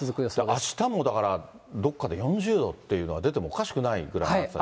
あしたもだから、どっかで４０度っていうのが出てもおかしくないぐらいですね。